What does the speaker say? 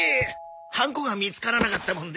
ハンコが見つからなかったもので。